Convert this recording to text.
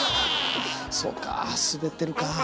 そうか滑ってるか。